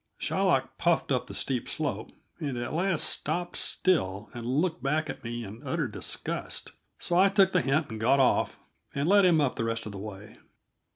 Shylock puffed up the steep slope, and at last stopped still and looked back at me in utter disgust; so I took the hint and got off, and led him up the rest of the way.